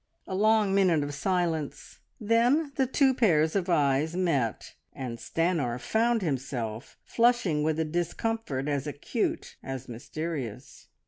A long minute of silence; then the two pairs of eyes met, and Stanor found himself flushing with a discomfort as acute as mysterious.